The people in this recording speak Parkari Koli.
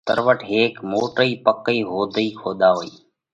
تروٺ هيڪ موٽئي پاڪئِي هوڌئِي کۮاوئِي۔